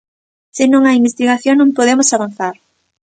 Se non hai investigación non podemos avanzar.